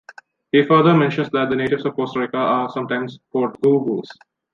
He further mentions that the natives of Costa Rica are sometimes called "goo-goos".